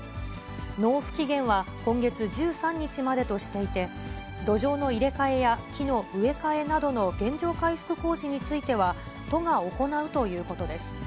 納付期限は今月１３日までとしていて、土壌の入れ替えや木の植え替えなどの原状回復工事については、都が行うということです。